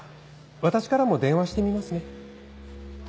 私からも電話してみますね。